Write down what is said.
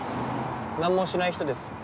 なんもしない人です